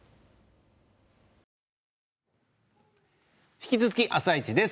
引き続き「あさイチ」です。